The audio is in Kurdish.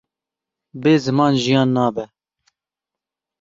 Bê ziman jiyan nabe.